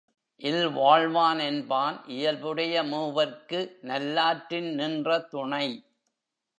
இல்வாழ்வான் என்பான் இயல்புடைய மூவர்க்கு நல்லாற்றின் நின்ற துணை.